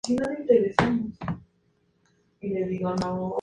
Es famoso por su sabio humor, el que ha plasmado en su obra escrita.